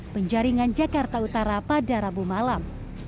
penjaringan jakarta utara pada rabu malam